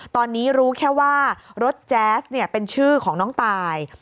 ตอนนี้รู้แค่ว่ารถแจ๊สเป็นชื่อของน้องตาย